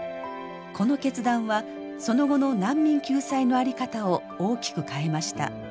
この決断はその後の難民救済の在り方を大きく変えました。